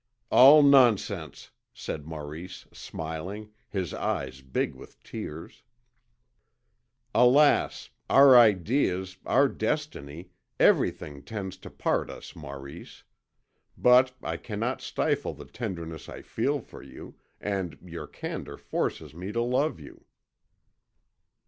"All nonsense!" said Maurice, smiling, his eyes big with tears. "Alas! our ideas, our destiny, everything tends to part us, Maurice. But I cannot stifle the tenderness I feel for you, and your candour forces me to love you."